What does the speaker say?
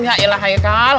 ya allah hai salam